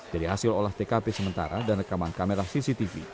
dari hasil olah tkp sementara dan rekaman kamera cctv